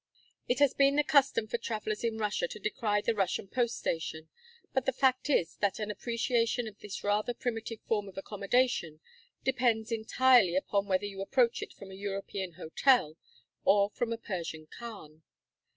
It has been the custom for travelers in Russia to decry the Russian post station, but the fact is that an appreciation of this rather primitive form of accommodation depends entirely upon whether you approach it from a European hotel or from a Persian khan.